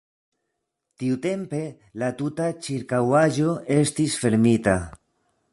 Tiutempe la tuta ĉirkaŭaĵo estis fermita.